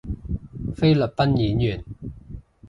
菲律賓演員